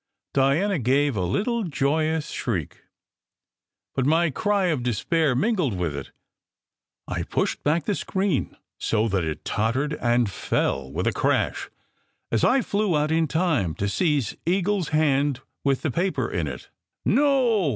Diana gave a little joyous shriek, but my cry of despair mingled with it. I pushed back the screen so that it tot tered and fell with a crash, as I flew out in time to seize Eagle s hand with the paper in it. "No